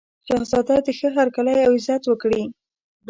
شهزاده ښه هرکلی او عزت وکړي.